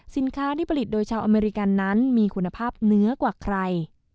สินค้าที่ผลิตโดยชาวอเมริกันนั้นมีคุณภาพเนื้อกว่าใคร